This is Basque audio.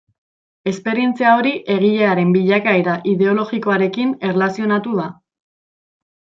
Esperientzia hori egilearen bilakaera ideologikoarekin erlazionatu da.